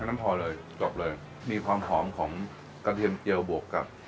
นั้นพอเลยจบเลยมีความหอมของกระเทียมเจียวบวกกับ